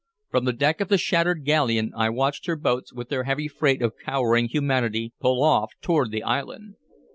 From the deck of the shattered galleon I watched her boats, with their heavy freight of cowering humanity, pull off toward the island.